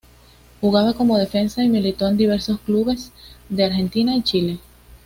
Jugaba como defensa y militó en diversos clubes de Argentina y Chile.